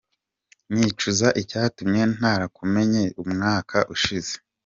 Nicuza icyatumye ntarakumenye umwaka ushize.